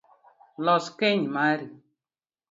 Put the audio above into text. Los keny mari